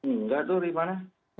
enggak tuh rih mana